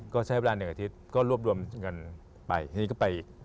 ก็ใช้เวลา๑อาทิตย์ก็รวบรวมเงินไปทีนี้ก็ไป